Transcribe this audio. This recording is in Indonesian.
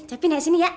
cepi naik sini ya